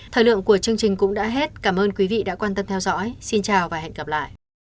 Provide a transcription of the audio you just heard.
thời lượng của chương trình cũng đã hết cảm ơn quý vị đã quan tâm theo dõi xin chào và hẹn gặp lại